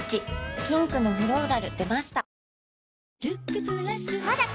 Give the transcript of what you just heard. ピンクのフローラル出ました